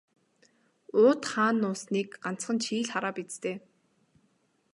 Уут хаана нуусныг ганцхан чи л хараа биз дээ.